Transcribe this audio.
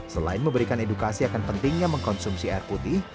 selain memberikan edukasi akan pentingnya mengkonsumsi air putih